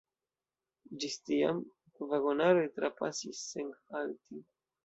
Ĝis tiam, vagonaroj trapasis sen halti.